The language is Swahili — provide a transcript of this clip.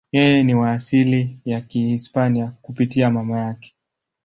Yeye ni wa asili ya Kihispania kupitia mama yake.